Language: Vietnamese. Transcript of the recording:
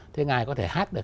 thế ngài có thể hát được